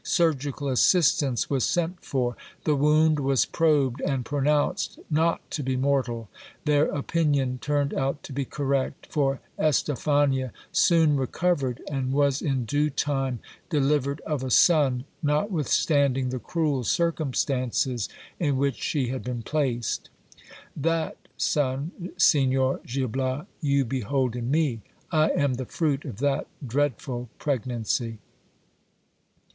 Surgical assistance was sent for. The wound was probed, and pronounced not to be mortal. Their opinion turned out to be correct ; for Estephania soon recovered, and was in due time delivered of a son, not withstanding the cruel circumstances in which she had been placed. That son, Signor Gil Bias, you behold in me : I am the fruit of that dreadful pregnancy.